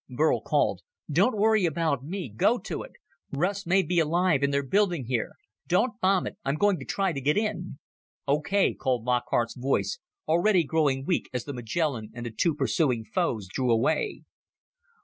Burl called, "Don't worry about me. Go to it. Russ may be alive in their building here. Don't bomb it. I'm going to try to get in." "Okay," called Lockhart's voice, already growing weak as the Magellan and the two pursuing foes drew away.